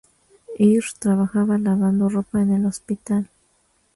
Earl trabajaba lavando ropa en el hospital.